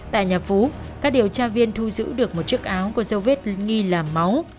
tại nhà phú các điều tra viên thu giữ được một chiếc áo có dấu vết nghi là máu